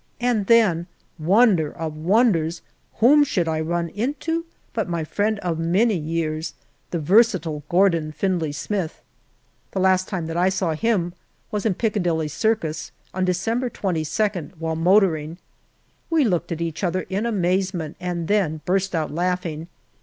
And then, wonder of wonders, whom should I run into but my friend of many years, the versatile Gordon Findlay Smith. The last time that I saw him was in Piccadilly Circus on December 22nd, while motoring. We looked at each other in amazement, and then burst out laughing.